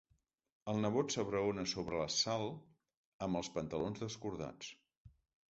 El nebot s'abraona sobre la Sal amb els pantalons descordats.